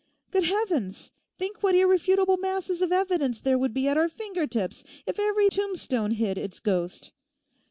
Good heavens, think what irrefutable masses of evidence there would be at our finger tips if every tombstone hid its ghost!